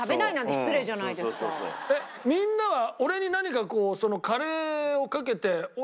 えっみんなは俺に何かこう。